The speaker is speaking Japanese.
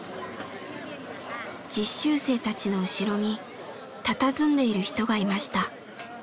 実習生たちの後ろにたたずんでいる人がいました。